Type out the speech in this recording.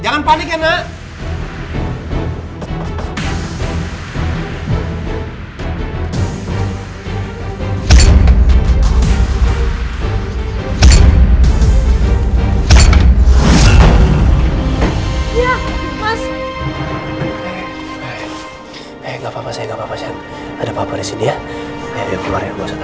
hai enggak papa saya enggak papa saya ada papa di sini ya